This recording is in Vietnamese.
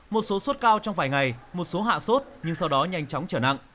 một số sốt cao trong vài ngày một số hạ sốt nhưng sau đó nhanh chóng trở nặng